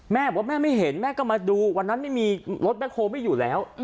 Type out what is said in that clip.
แม่บอกว่าแม่ไม่เห็นแม่ก็มาดูวันนั้นไม่มีรถแบ็คโฮลไม่อยู่แล้ว